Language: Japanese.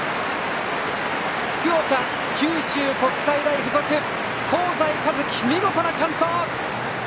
福岡・九州国際大付属香西一希、見事な完投！